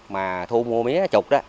mà thu mua mía trục đó